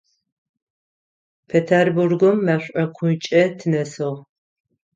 Петербургым мэшӏокукӏэ тынэсыгъ.